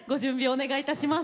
お願いいたします。